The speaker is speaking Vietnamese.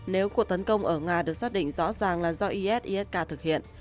nếu cuộc tấn công ở nga được xác định rõ ràng là do is isk thực hiện